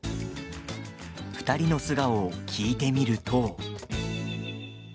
２人の素顔を聞いてみると。